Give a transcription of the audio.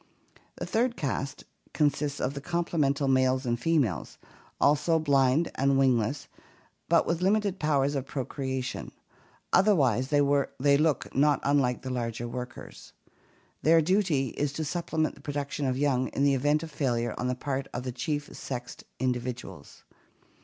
The third caste consists of the complement^ males and females, also blind and wingless, but with limited powers of procreation; otherwise they look not unlike the larger workers. Their duty is to supplement the production of young in the event of failure on the part of the chief sexed individuals.